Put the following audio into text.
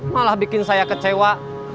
malah bikin saya kecewa